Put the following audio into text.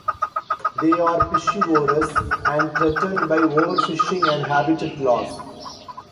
They are piscivorous, and threatened by overfishing and habitat loss.